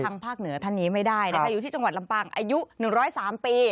ภาคเหนือท่านนี้ไม่ได้นะคะอยู่ที่จังหวัดลำปางอายุ๑๐๓ปี